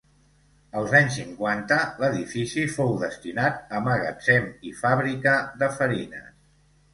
Als anys cinquanta, l'edifici fou destinat a magatzem i fàbrica de farines.